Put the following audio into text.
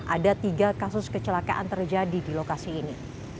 ada tiga kasus kecelakaan terjadi di lokasi ini